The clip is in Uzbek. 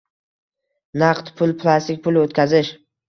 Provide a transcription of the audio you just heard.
Naqd pul, plastik, pul o‘tkazish